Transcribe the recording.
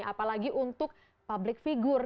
apalagi untuk public figure